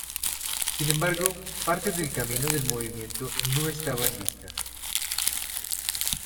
Sin embargo, partes del camino del movimiento no estaban listas.